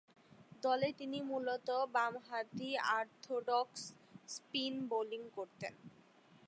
দলে তিনি মূলতঃ বামহাতি অর্থোডক্স স্পিন বোলিং করতেন।